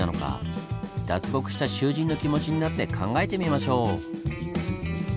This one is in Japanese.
脱獄した囚人の気持ちになって考えてみましょう！